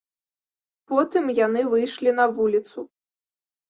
Потым яны выйшлі на вуліцу.